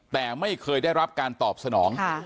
แต่ไม่เคยได้รับการตอบสนอง